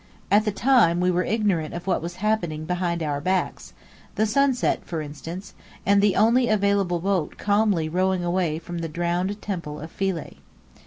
At the time, we were ignorant of what was happening behind our backs; the sunset for instance, and the only available boat calmly rowing away from the drowned Temple of Philae.